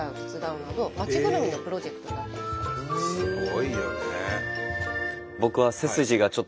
すごいよね。